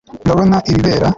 ndabona ibibera